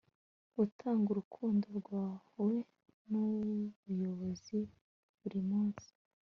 utanga urukundo rwawe nubuyobozi buri munsi